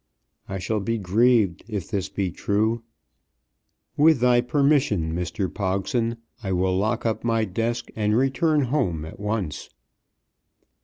I shall be grieved if this be true. With thy permission, Mr. Pogson, I will lock up my desk and return home at once."